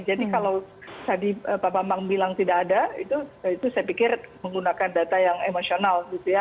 jadi kalau tadi bapak bang bilang tidak ada itu saya pikir menggunakan data yang emosional